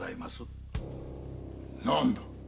何だ？